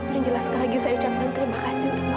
yang jelas sekali lagi saya ucapkan terima kasih